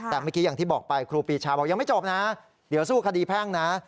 แต่เมื่อกี้อย่างที่บอกไปครูปีชาบอกยังไม่จบนะเดี๋ยวสู้คดีแพ่งนะ